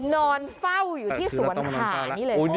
นอนเฝ้าอยู่ที่สวนขายนี่เลย